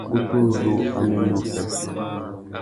Ukutu uzu a mú ena uffê.